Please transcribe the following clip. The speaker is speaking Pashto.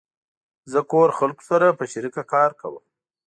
زه کور خلقو سره په شریکه کار کوم